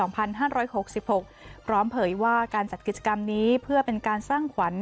เผยว่าการจัดกิจกรรมนี้เพื่อเป็นการสร้างขวัญ